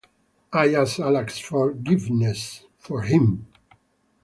I ask Allah's forgiveness for him.